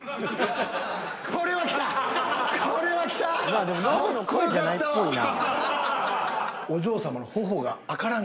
［まあでもノブの声じゃないっぽいな］